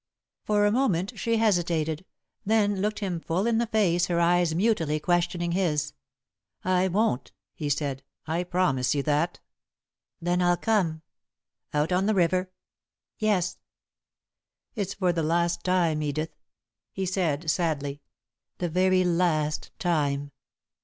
For a moment she hesitated, then looked him full in the face, her eyes mutely questioning his. "I won't," he said. "I promise you that." "Then I'll come." "Out on the river?" "Yes." "It's for the last time, Edith," he said, sadly; "the very last time."